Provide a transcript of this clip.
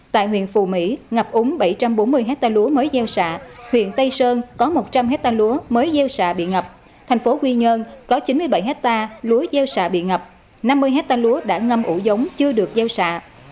tại huyện phù mỹ ngập úng bảy trăm bốn mươi hectare lúa mới gieo xạ huyện tây sơn có một trăm linh hectare lúa mới gieo xạ bị ngập thành phố quy nhơn có chín mươi bảy hectare lúa gieo xạ bị ngập năm mươi hectare lúa đã ngâm ủ giống chưa được gieo xạ